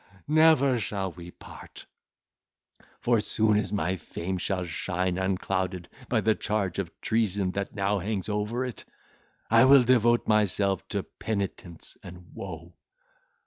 never shall we part; for soon as my fame shall shine unclouded by the charge of treason that now hangs over it, I will devote myself to penitence and woe.